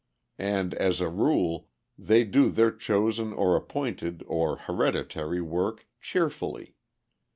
And as a rule, they do their chosen or appointed or hereditary work cheerfully.